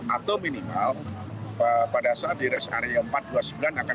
atau minimal pada saat di res area empat ratus dua puluh sembilan akan kita beri penumpang